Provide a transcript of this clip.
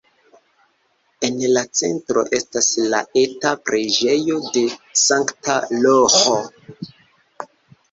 En la centro estas la eta preĝejo de Sankta Roĥo.